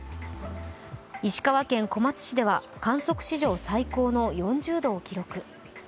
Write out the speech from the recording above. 石川県小松市では観測史上最高の４０度を記録。